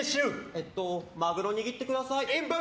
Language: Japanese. マグロ握ってください。